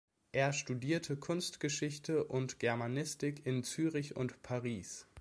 Er studierte Kunstgeschichte und Germanistik in Zürich und Paris.